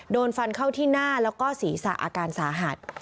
โดนฟันเข้าที่หน้าแล้วก็ศีรษะอาการสาหัส